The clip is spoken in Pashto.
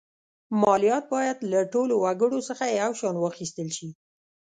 مالیات باید له ټولو وګړو څخه یو شان واخیستل شي.